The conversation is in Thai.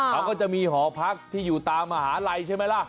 เขาก็จะมีหอพักที่อยู่ตามมหาลัยใช่ไหมล่ะ